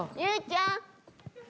佑ちゃん。